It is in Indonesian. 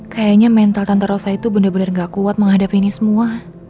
kayaknya mental tante rosa itu bener bener gak kuat menghadapi ini semua